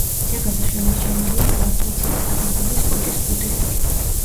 ძეგლზე შემორჩენილია სართულშუა გადახურვის კოჭის ბუდეები.